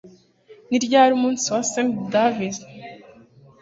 Ni ryari umunsi wa St Davids